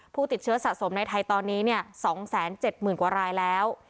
ผู้ติดเชื้อสะสมในไทยตอนนี้เนี่ยสองแสนเจ็ดหมื่นกว่ารายแล้ว